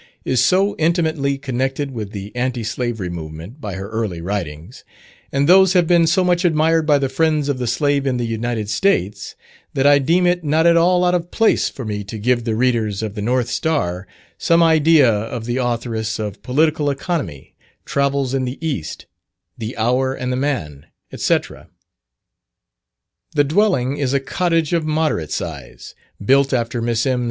is so intimately connected with the Anti slavery movement, by her early writings, and those have been so much admired by the friends of the slave in the United States, that I deem it not at all out of place for me to give the readers of the North Star some idea of the authoress of "Political Economy," "Travels in the East," "The Hour and the Man," &c. The dwelling is a cottage of moderate size, built after Miss M.'